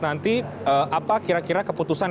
nanti apa kira kira keputusan